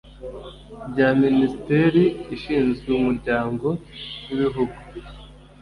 bya minisiteri ishinzwe umuryango w ibihugu